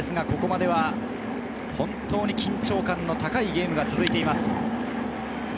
ここまでは本当に緊張感の高いゲームが続いています。